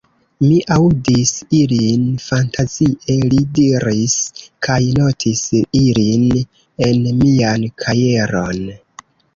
Mi aŭdis ilin fantazie, li diris, kaj notis ilin en mian kajeron.